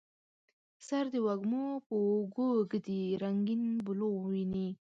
سر د وږمو په اوږو ږدي رنګیین بلوغ ویني